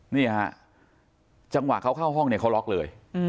นี่ฮะจังหวะเขาเข้าห้องเนี่ยเขาล็อกเลย